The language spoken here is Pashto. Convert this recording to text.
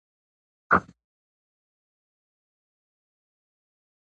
حاجي لالي برخه اخیستې ده.